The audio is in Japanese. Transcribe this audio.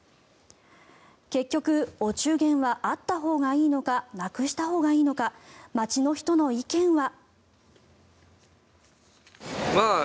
結局、お中元はあったほうがいいのかなくしたほうがいいのか街の人の意見は。